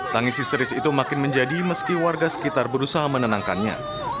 tangis histeris itu makin menjadi meski warga sekitar berusaha menenangkannya